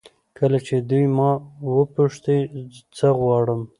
کله چې دوی ما وپوښتي څه غواړم.